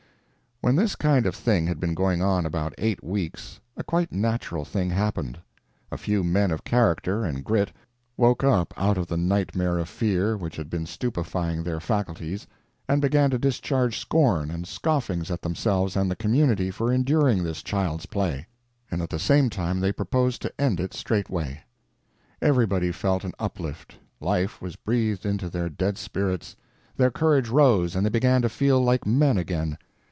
When this kind of thing had been going on about eight weeks, a quite natural thing happened. A few men of character and grit woke up out of the nightmare of fear which had been stupefying their faculties, and began to discharge scorn and scoffings at themselves and the community for enduring this child's play; and at the same time they proposed to end it straightway. Everybody felt an uplift; life was breathed into their dead spirits; their courage rose and they began to feel like men again.